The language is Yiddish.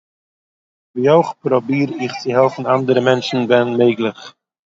ווי אויך פראביר איך צו העלפן אנדערע מענטשן ווען מעגליך